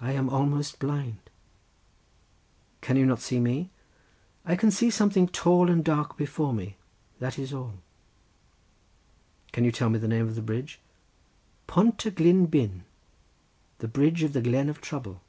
I am almost blind." "Can you not see me?" "I can see something tall and dark before me; that is all." "Can you tell me the name of the bridge?" "Pont y Glyn blin—the bridge of the glen of trouble."